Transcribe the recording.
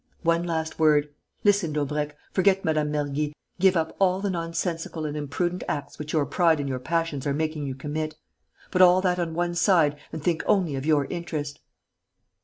"One last word. Listen, Daubrecq: forget Mme. Mergy, give up all the nonsensical and imprudent acts which your pride and your passions are making you commit; put all that on one side and think only of your interest...."